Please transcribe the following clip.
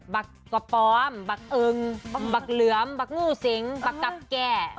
บักกระป๋อมบักอึงบักเหลือมบักงูสิงบักกับแก่